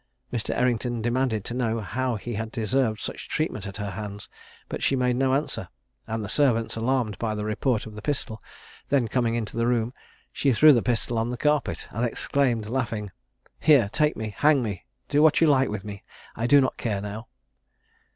Mr. Errington demanded to know how he had deserved such treatment at her hands, but she made no answer, and the servants, alarmed by the report of the pistol, then coming into the room, she threw the pistol on the carpet, and exclaimed, laughing, "Here, take me; hang me; do what you like with me: I do not care now."